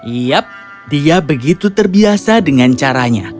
iyap dia begitu terbiasa dengan caranya